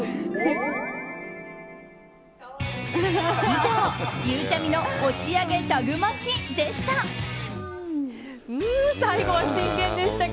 以上、ゆうちゃみの押上タグマチでした。